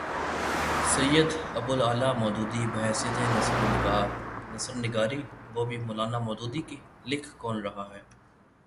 سید ابو الاعلی مودودی، بحیثیت نثر نگار نثر نگاری اور وہ بھی مو لانا مودودی کی! لکھ کون رہا ہے؟